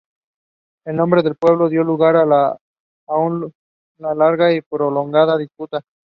El nombre del pueblo dio lugar a una larga y prolongada disputa.